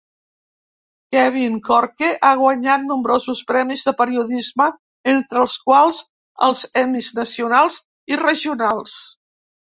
Kevin Corke ha guanyat nombrosos premis de periodisme, entre els quals els Emmys nacionals i regionals.